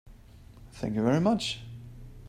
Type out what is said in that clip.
Thank you very much.